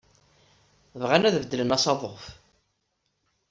Bɣan ad beddlen asaḍuf.